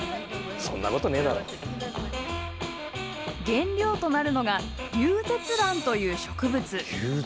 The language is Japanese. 原料となるのがリュウゼツランという植物。